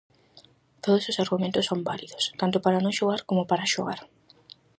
Todos os argumentos son válidos, tanto para non xogar como para xogar.